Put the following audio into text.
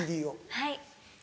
はい。